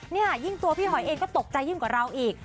นี่ยิ่งตัวพี่หอยเองก็ตกใจยิ่งกว่าเราอีก